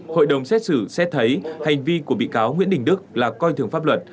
hội đồng xét xử xét thấy hành vi của bị cáo nguyễn đình đức là coi thường pháp luật